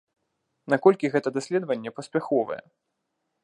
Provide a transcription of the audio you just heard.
Наколькі гэта даследаванне паспяховае?